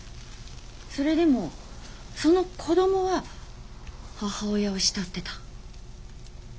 それでもその子供は母親を慕ってた。